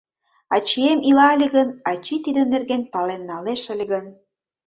Ачием ила ыле гын, ачий тидын нерген пален налеш ыле гын...